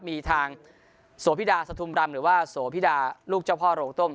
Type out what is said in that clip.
มีทางโสพิดาสทุมรำหรือว่าโสพิดาลูกเจ้าพ่อโรงต้ม